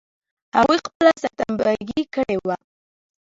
هغوی خپله سرټمبه ګي کړې وه.